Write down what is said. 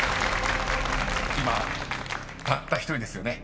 ［今たった１人ですよね？］